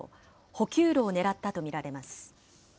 補給路を狙ったと見られます。